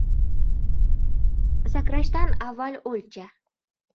• Sakrashdan avval o‘lcha.